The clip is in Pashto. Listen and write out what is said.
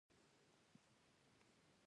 په مني کې مرغۍ هم پیتاوي ته دانې ټولوي.